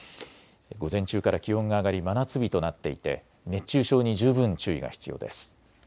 午前中から気温が上がり真夏日となっていて熱中症に十分注意が必要です。